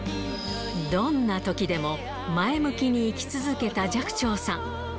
どんなときでも前向きに生き続けた寂聴さん。